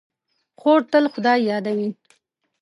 خور تل خدای یادوي.